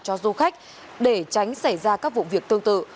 cho du khách để tránh xảy ra các vụ việc tương tự